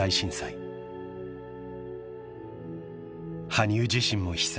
［羽生自身も被災］